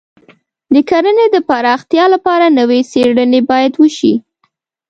د کرنې د پراختیا لپاره نوې څېړنې باید وشي.